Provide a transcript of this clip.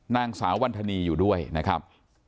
นางสาววรรษณีย์อยู่ด้วยนะครับ